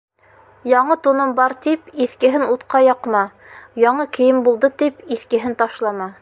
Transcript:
Яңы туным бар тип, иҫкеһен утҡа яҡма. Яңы кейем булды тип, иҫкеһен ташлама.